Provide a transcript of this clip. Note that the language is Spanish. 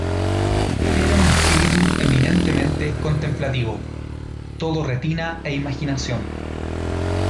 Era un espíritu eminentemente contemplativo: todo retina e imaginación".